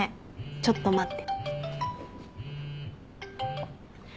ちょっと待って。